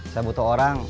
saya butuh orang